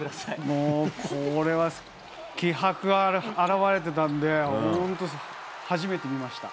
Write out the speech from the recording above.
もう、これは気迫表れてたんで、本当、初めて見ました。